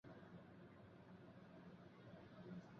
可通过候车室前往反方向月台。